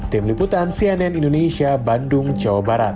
tim liputan cnn indonesia bandung jawa barat